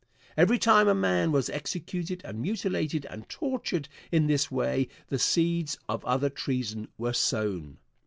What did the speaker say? Every time a man was executed and mutilated and tortured in this way the seeds of other treason were sown.